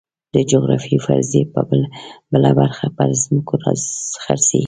د جغرافیوي فرضیې بله برخه پر ځمکو راڅرخي.